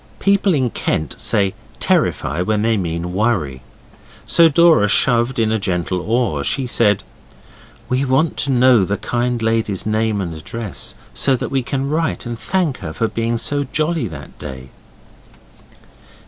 People in Kent say terrify when they mean worry. So Dora shoved in a gentle oar. She said 'We want to know the kind lady's name and address, so that we can write and thank her for being so jolly that day.